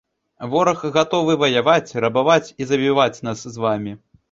Вораг, гатовы ваяваць, рабаваць і забіваць нас з вамі.